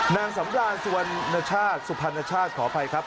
นางสำรานสุวรรณชาติสุพรรณชาติขออภัยครับ